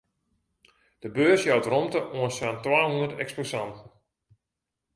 De beurs jout romte oan sa'n twahûndert eksposanten.